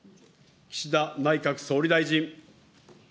岸田内閣総理大臣。